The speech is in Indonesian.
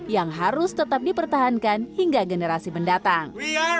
yang harus tetap dipertahankan hingga generasi mendatang